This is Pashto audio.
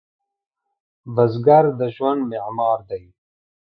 بزګر د ژوند معمار دی